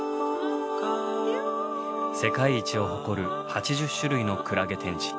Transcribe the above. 世界一を誇る８０種類のクラゲ展示。